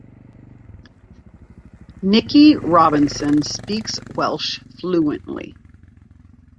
Nicky Robinson speaks Welsh fluently.